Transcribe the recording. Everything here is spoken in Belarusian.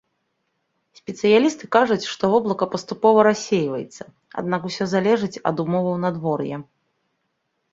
Спецыялісты кажуць, што воблака паступова рассейваецца, аднак усё залежыць ад умоваў надвор'я.